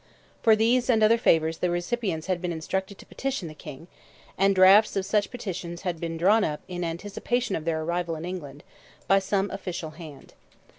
For these and other favours the recipients had been instructed to petition the King, and drafts of such petitions had been drawn up in anticipation of their arrival in England, by some official hand.